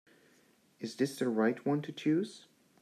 Is this the right one to choose?